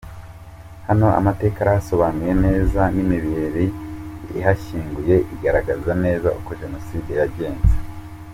Hano amateka arasobanuye neza, n’imibiri ihashyinguye igaragaza neza uko Jenoside yagenze.